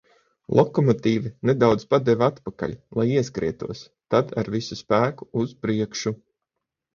Lokomotīve nedaudz padeva atpakaļ, lai ieskrietos, tad ar visu spēku uz priekšu.